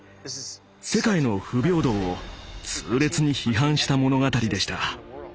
世界の不平等を痛烈に批判した物語でした。